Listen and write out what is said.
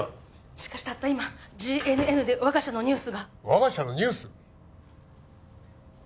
しかしたった今ＧＮＮで我が社のニュースが我が社のニュース？